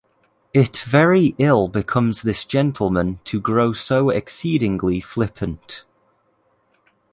It very ill becomes this gentleman to grow so exceedingly flippant.